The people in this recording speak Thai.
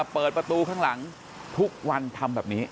เปิดประตูข้างหลังทุกวันทำแบบนี้